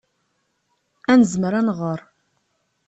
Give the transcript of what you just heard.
Ad nezmer ad nɣer.